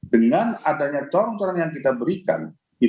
dengan adanya corong corong yang kita berikan